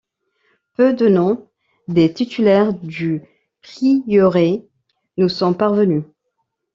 Peu de noms des titulaires du prieuré nous sont parvenus.